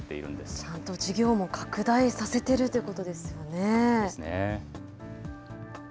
ちゃんと事業も拡大させてるということですよね。ですね。